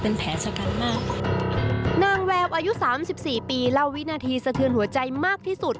นางแววอายุ๓๔ปีเล่าวินาทีสะเทือนหัวใจมากที่สุด